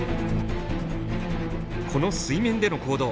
この水面での行動。